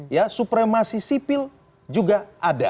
ya supremasi sipil juga ada